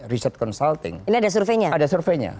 research consulting ini ada surveinya ada surveinya